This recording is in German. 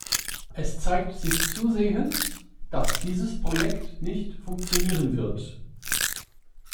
Es zeigt sich zusehends, dass dieses Projekt nicht funktionieren wird.